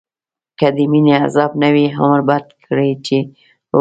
که دمينی عذاب نه وی، عمر بد کړی چی اوږديږی